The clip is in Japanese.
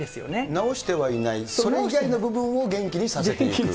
治してはいない、それ以外の部分を元気にさせていく。